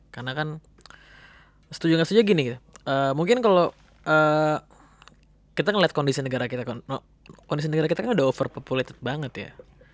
karena kan setuju gak setuju gini mungkin kalau kita ngelihat kondisi negara kita kondisi negara kita kan udah over populated banget ya